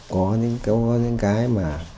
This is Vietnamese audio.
có những cái mà